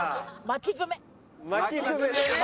巻き爪ね。